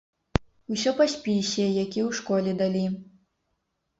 Усё па спісе, які ў школе далі.